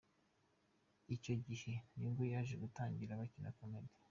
Icyo gihe nibwo yaje gutangira gukina comedy.